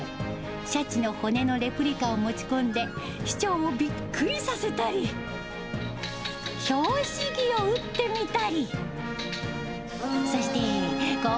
シャチの骨のレプリカを持ち込んで、市長もびっくりさせたり、拍子木を打ってみたり。